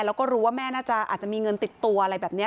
แล้วก็รู้ว่าแม่น่าจะอาจจะมีเงินติดตัวอะไรแบบนี้